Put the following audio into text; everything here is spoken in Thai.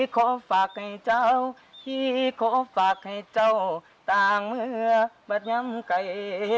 ขอฝากให้เจ้าที่ขอฝากให้เจ้าต่างเมื่อบรรยำไก่